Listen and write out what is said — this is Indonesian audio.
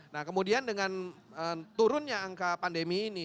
nah kemudian dengan turunnya angka pandemi ini